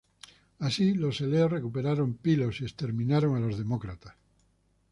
Así los eleos recuperaron Pilos y exterminaron a los demócratas.